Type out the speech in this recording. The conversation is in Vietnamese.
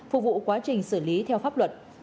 phục vụ quá trình xử lý theo pháp luật